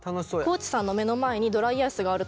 地さんの目の前にドライアイスがあると思いますが。